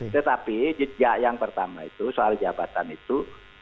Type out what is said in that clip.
tetapi jejak yang pertama itu soal jabatan itu